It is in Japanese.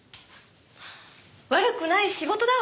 悪くない仕事だわ。